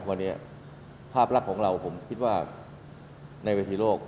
วันนี้ภาพลักษณ์ของเราผมคิดว่าในเวทีโลก